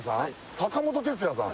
阪本哲也さん